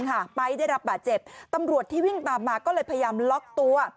ไปได้รับบาดเจ็บตำรวจที่วิ่งตามมาก็เลยพยายามล็อกตัว